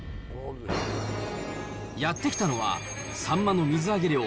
やって来たのは、サンマの水揚げ量